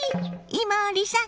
伊守さん